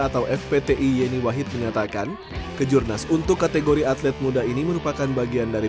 atau fpti yeni wahid menyatakan kejurnas untuk kategori atlet muda ini merupakan bagian dari